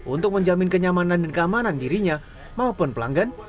untuk menjamin kenyamanan dan keamanan dirinya maupun pelanggan